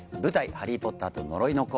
「ハリー・ポッターと呪いの子」